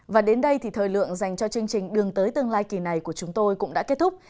và đến đây thì thời lượng dành cho chương trình đường tới tương lai kỳ này của chúng tôi cũng đã kết thúc